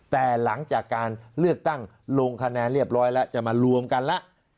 แต่หลังจากการเลือกตั้งลงคะแนนเรียบร้อยแล้วจะมารวมกันแล้ว